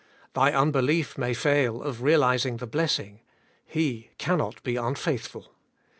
Thy unbelief may fail of realizing the bless ing; He cannot be unfaithful.